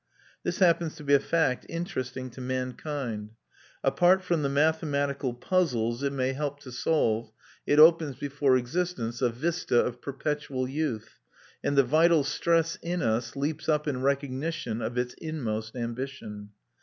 This happens to be a fact interesting to mankind. Apart from the mathematical puzzles it may help to solve, it opens before existence a vista of perpetual youth, and the vital stress in us leaps up in recognition of its inmost ambition.